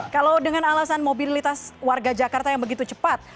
kalau dengan alasan mobilitas warga jakarta yang begitu cepat